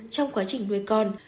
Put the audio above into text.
trong quá trình nuôi con